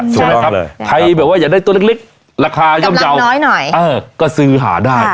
ใช่ไหมครับใครแบบว่าอยากได้ตัวเล็กราคาย่อมเยาว์น้อยหน่อยก็ซื้อหาได้